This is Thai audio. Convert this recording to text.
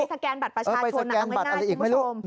ไปสแกนบัตรประชาชนลงไม่ง่ายทุกผู้ชม